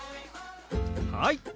はい！